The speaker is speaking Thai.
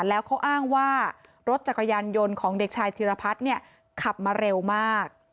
แล้วเขาอ้างว่ารถจักรยานยนต์ของเด็กชายธิรพัฒน์เนี่ยขับมาเร็วมาก